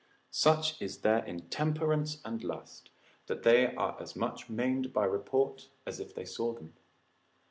Such is their intemperance and lust, that they are as much maimed by report, as if they saw them.